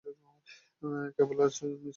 কেবল আজ Miss McLeod একটু অসুস্থ।